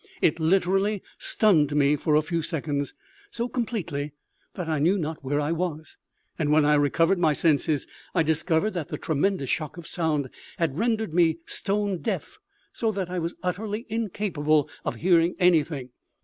It literally stunned me for a few seconds, so completely that I knew not where I was; and when I recovered my senses I discovered that the tremendous shock of sound had rendered me stone deaf, so that I was utterly incapable of hearing anything.